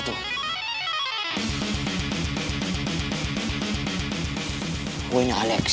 otak gue lebih kriminal daripada lu